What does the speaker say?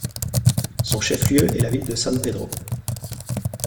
Son chef-lieu est la ville de San Pedro.